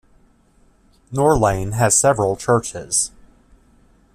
Norlane has several churches.